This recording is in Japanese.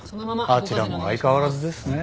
あちらも相変わらずですね。